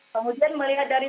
kemudian melihat dari